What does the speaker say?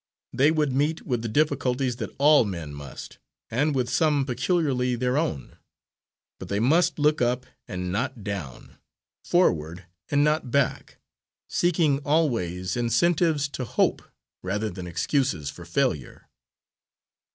They would meet with the difficulties that all men must, and with some peculiarly their own. But they must look up and not down, forward and not back, seeking always incentives to hope rather than excuses for failure.